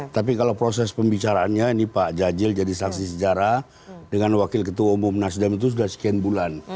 tapi kalau proses pembicaraannya ini pak jajil jadi saksi sejarah dengan wakil ketua umum nasdem itu sudah sekian bulan